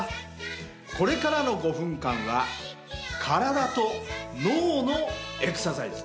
これからの５分間は体と脳のエクササイズ。